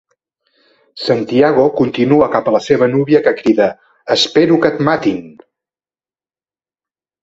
Santiago continua cap a la seva núvia, que crida, ...Espero que et matin!